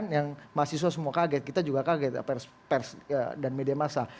yang mahasiswa semua kaget kita juga kaget pers dan media masa